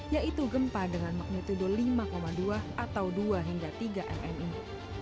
yaitu gempa dengan magnitudo lima dua atau dua hingga tiga mm ini